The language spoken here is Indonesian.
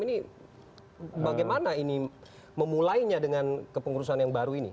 ini bagaimana ini memulainya dengan kepengurusan yang baru ini